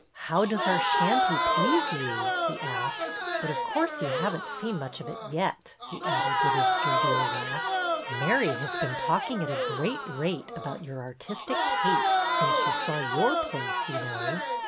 How does our shanty please you ?" he asked. '' But, of course, you have n't seen much of it yet," he added, with his .jovial laugh. Mary has been talking at a great rate about your artis tic taste since she saw your place, you know."